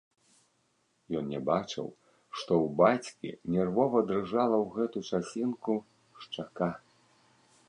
Ён не бачыў, што ў бацькі нервова дрыжала ў гэту часінку шчака.